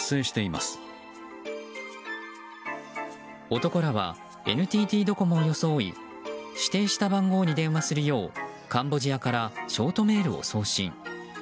男らはＮＴＴドコモを装い指定した番号に電話するようカンボジアからショートメールを送信。